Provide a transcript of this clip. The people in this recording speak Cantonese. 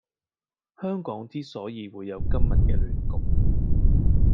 香港之所以會有今日既亂局